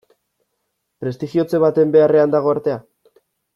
Prestigiotze baten beharrean dago artea?